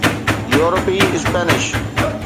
يورپي اسپينش